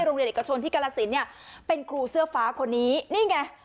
โรงเรียนเอกชนที่กรสินเนี่ยเป็นครูเสื้อฟ้าคนนี้นี่ไง